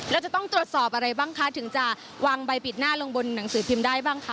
แล้วจะต้องตรวจสอบอะไรบ้างคะถึงจะวางใบปิดหน้าลงบนหนังสือพิมพ์ได้บ้างคะ